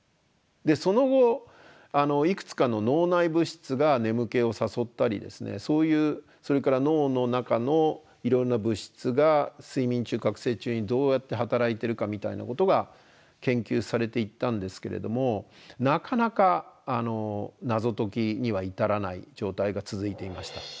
その後いくつかの脳内物質が眠気を誘ったりですねそういうそれから脳の中のいろんな物質が睡眠中覚醒中にどうやって働いてるかみたいなことが研究されていったんですけれどもなかなか謎解きには至らない状態が続いていました。